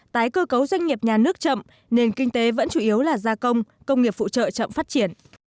tái cơ cấu doanh nghiệp nhà nước chậm nền kinh tế vẫn chủ yếu là gia công công nghiệp phụ trợ chậm phát triển